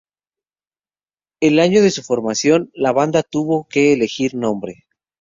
El año de su formación, la banda tuvo que elegir nombre.